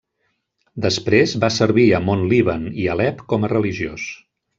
Després va servir a Mont Líban i Alep com a religiós.